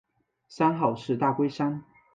山号是大龟山。